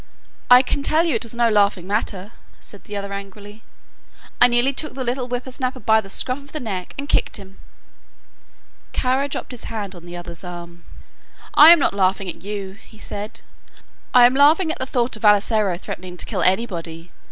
"I can tell you it was no laughing matter," said the other, angrily, "I nearly took the little whippersnapper by the scruff of the neck and kicked him." Kara dropped his hand on the other's arm. "I am not laughing at you," he said; "I am laughing at the thought of Vassalaro threatening to kill anybody.